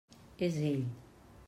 És ell.